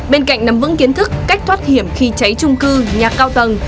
bên cạnh nắm vững kiến thức cách thoát hiểm khi cháy trung cư nhà cao tầng